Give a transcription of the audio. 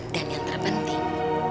dan yang terpenting